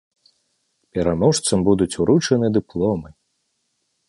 Пераможцам будуць уручаны дыпломы.